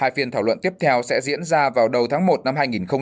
hai phiên thảo luận tiếp theo sẽ diễn ra vào đầu tháng một năm hai nghìn hai mươi